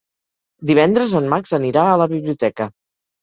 Divendres en Max anirà a la biblioteca.